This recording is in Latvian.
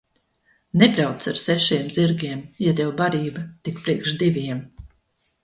Nebrauc ar sešiem zirgiem, ja tev barība tik priekš diviem.